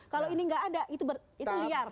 kalau ini nggak ada itu liar